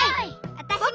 わたしも！